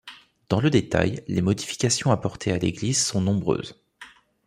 Dans le détail, les modifications apportées à l'église sont nombreuses.